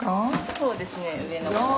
そうですね上の子は。